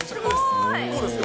どうですか。